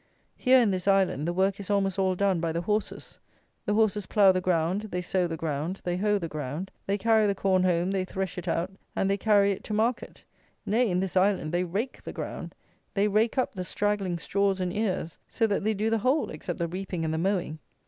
Here, in this island, the work is almost all done by the horses. The horses plough the ground; they sow the ground; they hoe the ground; they carry the corn home; they thresh it out; and they carry it to market: nay, in this island, they rake the ground; they rake up the straggling straws and ears; so that they do the whole, except the reaping and the mowing.